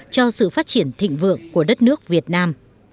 cho sự phát triển thịnh vượng của đất nước việt nam